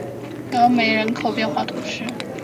戈梅人口变化图示